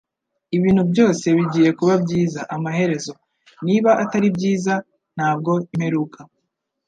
Ibintu byose bigiye kuba byiza amaherezo. Niba atari byiza, ntabwo imperuka.